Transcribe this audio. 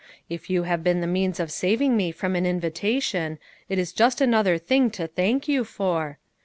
If you have been the means of saving me from an invi tation, it is just another thing to thank you for.